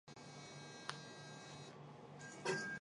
大家要看清楚。